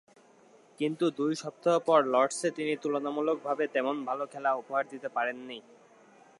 কিন্তু, দুই সপ্তাহ পর লর্ডসে তিনি তুলনামূলকভাবে তেমন ভালো খেলা উপহার দিতে পারেননি।